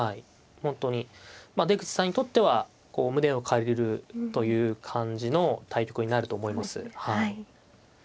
本当にまあ出口さんにとってはこう胸を借りるという感じの対局になると思います。